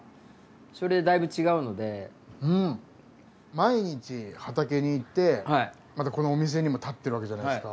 毎日畑に行ってまたこのお店にも立ってるわけじゃないですか。